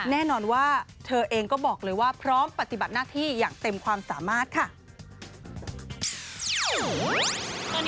แน่นอนว่าเธอเองก็บอกเลยว่าพร้อมปฏิบัติหน้าที่อย่างเต็มความสามารถค่ะ